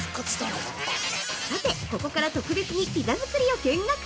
さて、ここから特別にピザ作りを見学。